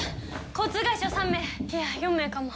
交通外傷３名いや４名かも。